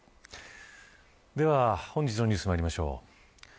では本日のニュースまいりましょう。